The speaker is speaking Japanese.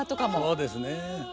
そうですね。